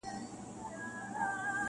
ګنهكاره سوه سورنا- ږغ د ډولونو-